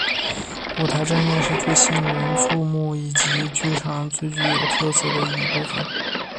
舞台正面是最引人注目以及剧场最具有特点的部分。